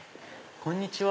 こんにちは。